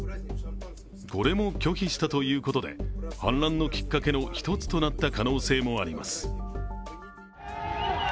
これも拒否したということで反乱のきっかけの一つとなった可能性もあります。